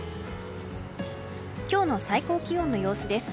今日の最高気温の様子です。